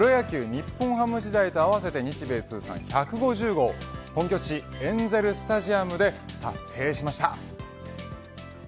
日本ハム時代と合わせて日米通算１５０号本拠地エンゼルスタジアムで達成しました。